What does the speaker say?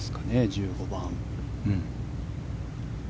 １５番。